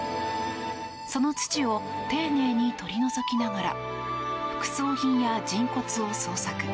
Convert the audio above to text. その土を丁寧に取り除きながら副葬品や人骨を捜索。